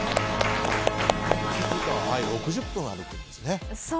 ６０分、歩くんですね。